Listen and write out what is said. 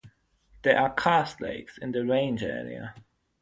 There are karst lakes in the range area.